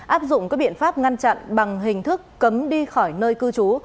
áp dụng các biện pháp ngăn chặn bằng hình thức cấm đi khỏi nơi cư trú